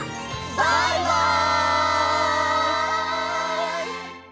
バイバイ！